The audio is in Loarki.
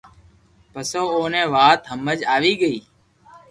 پسو اوني وات ھمج آوي گئي